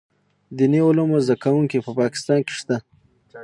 دیني علومو زده کوونکي په پاکستان کې شته.